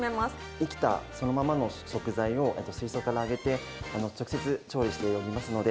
生きたそのままの食材を水槽からあげて、直接調理しておりますので、